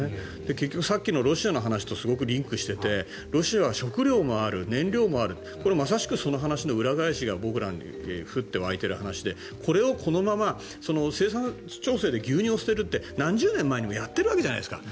結局さっきのロシアの話とすごくリンクしててロシアは食料もある燃料もあるこれ、まさしくその話の裏返しが僕らに降って湧いてる話でこれをこのまま生産調整で牛乳を捨てるって何十年前にもやっているわけじゃないですか。